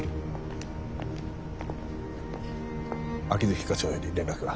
秋月課長より連絡が。